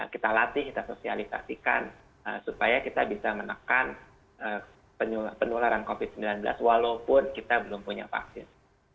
kita latih kita sosialisasikan supaya kita bisa menekan penularan covid sembilan belas walaupun kita belum punya vaksin